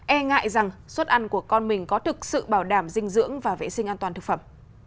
e ngại rằng suất ăn của con mình có thực sự bảo đảm dinh dưỡng và vệ sinh an toàn thực phẩm